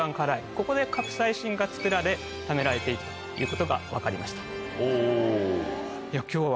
ここでカプサイシンが作られためられているということが分かりました。